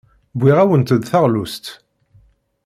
Wwiɣ-awent-d taɣlust.